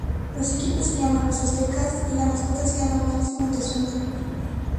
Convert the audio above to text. Los equipos se llaman las "Aztecas", y la mascota se llama Monty Montezuma.